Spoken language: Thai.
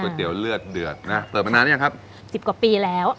เตี๋ยวเลือดเดือดนะเปิดมานานยังครับสิบกว่าปีแล้ว